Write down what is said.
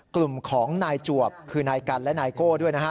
กลุ่มของนายจวบคือนายกันและนายโก้ด้วยนะฮะ